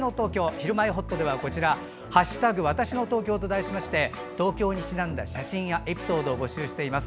「ひるまえほっと」では「＃わたしの東京」と題しまして東京にちなんだ写真やエピソードを募集しています。